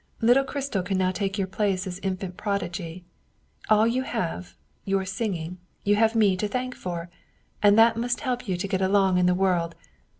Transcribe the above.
Little Christel can now take your place as infant prodigy. All you have your singing you have me to thank for, and that must help you to get along in the world.